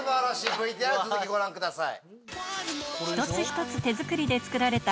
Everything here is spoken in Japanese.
ＶＴＲ続きご覧ください。